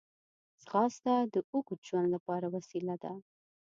ځغاسته د اوږد ژوند لپاره وسیله ده